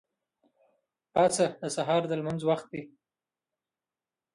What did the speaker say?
پاڅه! د سهار د لمونځ وخت دی.